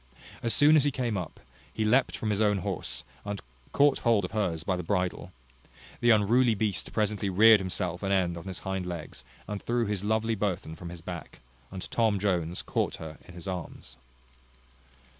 As soon as he came up, he leapt from his own horse, and caught hold of hers by the bridle. The unruly beast presently reared himself an end on his hind legs, and threw his lovely burthen from his back, and Jones caught her in his arms.